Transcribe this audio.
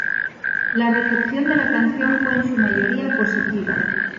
La recepción de la canción fue en su mayoría positiva.